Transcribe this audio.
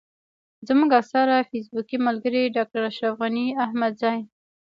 زموږ اکثره فېسبوکي ملګري ډاکټر اشرف غني احمدزی.